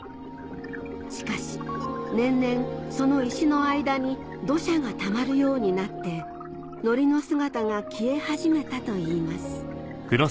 しかし年々その石の間に土砂がたまるようになってノリの姿が消え始めたといいます